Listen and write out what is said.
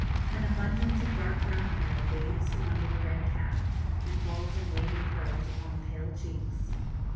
An abundance of dark brown hair waves from under the red cap, and falls in waving curls upon the pale cheeks.